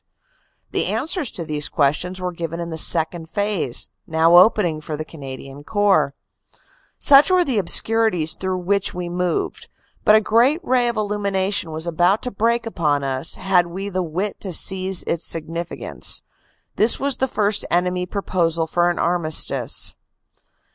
The answers to these questions were given in the "second phase," now opening for the Cana dian Corps. AFTER THE BATTLE 279 Such were the obscurities through which we moved, but a great ray of illumination was about to break upon us had we the wit to seize its significance. This was the first enemy pro posal for an armistice.